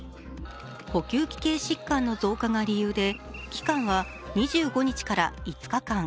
呼吸器系疾患の増加が理由で、期間は２５日から５日間。